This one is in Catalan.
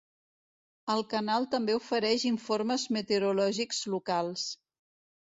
El canal també ofereix informes meteorològics locals.